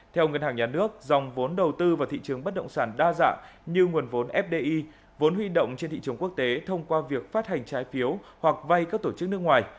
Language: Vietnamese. theo ngân hàng nhà nước dòng vốn đầu tư vào thị trường bất động sản đa dạng như nguồn vốn fdi vốn huy động trên thị trường quốc tế thông qua việc phát hành trái phiếu hoặc vay các tổ chức nước ngoài